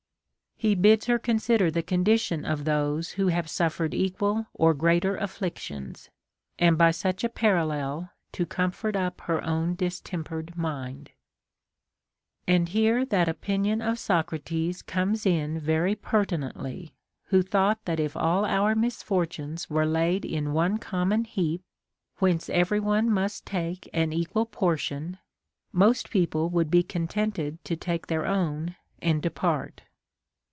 t He bids her consider the condition of those who have suffered equal or greater afflictions, and by such a parallel to comfort up her own distempered mind. 9. And here that opinion of Socrates comes in very perti nently, who thought that if all our misfortunes were laid in one common heap, Λvhence every one must take an equal portion, most people Avould be contented to take their own and depart.